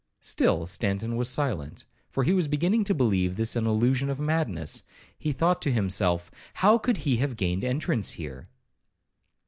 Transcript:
'—Still Stanton was silent; for he was beginning to believe this an illusion of madness. He thought to himself, 'How could he have gained entrance here?'